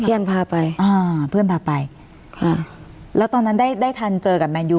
ยังพาไปอ่าเพื่อนพาไปอ่าแล้วตอนนั้นได้ได้ทันเจอกับแมนยู